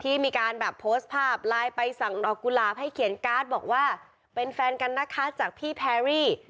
มีการแบบโพสต์ภาพไลน์ไปสั่งดอกกุหลาบให้เขียนการ์ดบอกว่าเป็นแฟนกันนะคะจากพี่แพรรี่